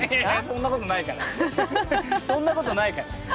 そんなことないから。